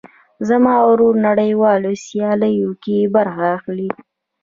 زما ورور نړيوالو سیاليو کې برخه اخلي.